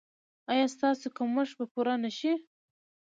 ایا ستاسو کمښت به پوره نه شي؟